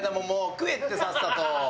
食えってさっさと！